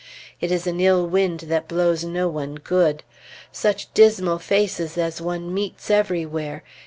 "It is an ill wind that blows no one good." Such dismal faces as one meets everywhere!